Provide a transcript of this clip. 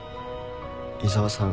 伊沢さん